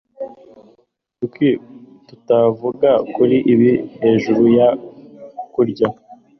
kuki tutavuga kuri ibi hejuru yo kurya